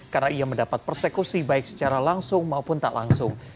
karena ia mendapat persekusi baik secara langsung maupun tak langsung